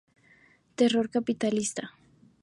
Terror Capitalista.